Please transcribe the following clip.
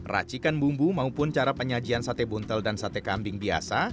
racikan bumbu maupun cara penyajian sate buntel dan sate kambing biasa